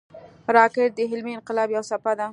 راکټ د علمي انقلاب یوه څپه ده